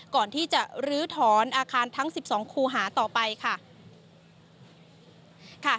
ก่อนที่จะลื้อถอนอาคารทั้ง๑๒คูหาต่อไปค่ะ